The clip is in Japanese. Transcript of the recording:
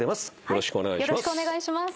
よろしくお願いします。